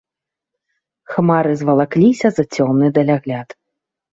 Хмары звалакліся за цёмны далягляд.